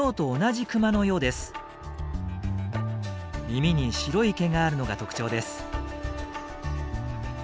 耳に白い毛があるのが特徴です。